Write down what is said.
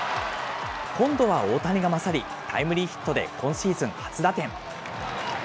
今度は大谷が勝り、タイムリーヒットで今シーズン初打点。